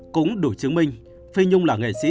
cũng đủ chứng minh phi nhung là nghệ sĩ